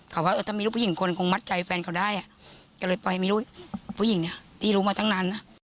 เขาว่าอัตอั๊นต่างใจนะ